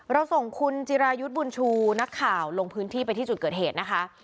เราส่งคุณจิรายุทธ์บุญชูนักข่าวลงพื้นที่ไปที่จุดเกิดเหตุนะคะ